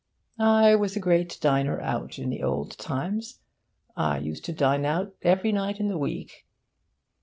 'I was a great diner out in the old times. I used to dine out every night in the week.